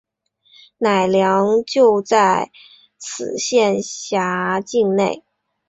乃良就在此县辖境内。